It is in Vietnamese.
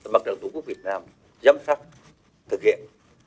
mặt trận tổ quốc việt nam giám sát thực hiện